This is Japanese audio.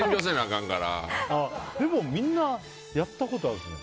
でもみんなやったことあるんですね